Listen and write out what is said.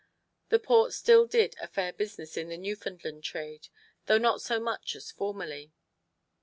The port still did a fair business in the Newfoundland trade, though not so much as formerly.